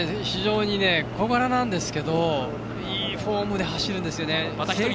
非常に小柄なんですけどいいフォームで走るんですね。